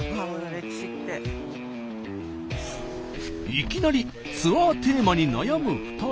いきなりツアーテーマに悩む２人。